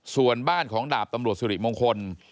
ส่วนบ้านของดาบตำรวจสิริมงคล